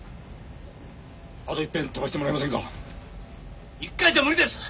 あといっぺん飛ばしてもらえませんか１回じゃ無理です！